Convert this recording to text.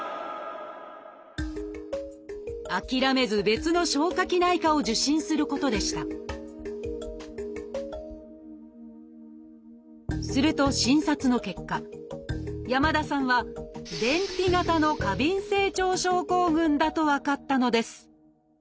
諦めず別の消化器内科を受診することでしたすると診察の結果山田さんはだと分かったのです。